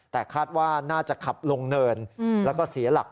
แต่คาดว่าน่าจะขับลงเนินแล้วก็เสียหลัก